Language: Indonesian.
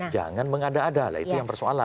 jangan mengada adalah itu yang persoalan